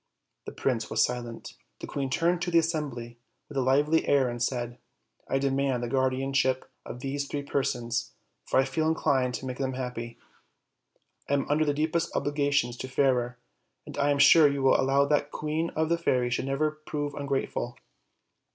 The prince was silent. The queen turned to the as sembly with a lively air and said: "I demand the guardian ship of these three persons, for I feel inclined to make them happy. I am under the deepest obligations to Fairer, and I am sure you will allow that the Queen of the Fairies should never prove ungrateful.